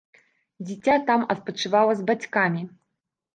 Дзіця там адпачывала з бацькамі.